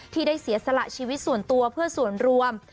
ที่ได้เสียสละชีวิตส่วนตัวเพื่อส่วนรวม